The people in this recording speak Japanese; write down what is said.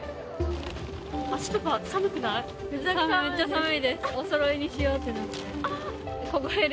足とか寒くない？